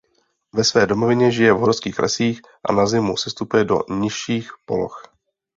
Ve své domovině žije v horských lesích a na zimu sestupuje do nižších poloh.